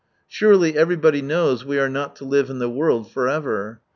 Surely everybody knows we are not to live in the world for ever.